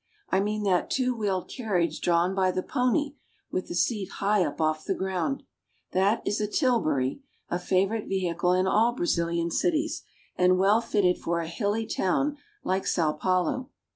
I mean that two wheeled carriage drawn by the pony, with the seat high up off the ground. That is a tilbury, a favorite vehicle in all Brazilian cities, and well fitted for a hilly town like Sao Paulo.